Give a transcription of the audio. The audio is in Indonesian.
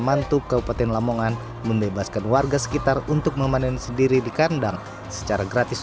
mantuk kabupaten lamongan membebaskan warga sekitar untuk memanen sendiri di kandang secara gratis